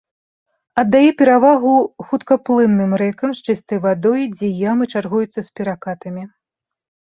Аддае перавагу хуткаплынным рэкам з чыстай вадой, дзе ямы чаргуюцца з перакатамі.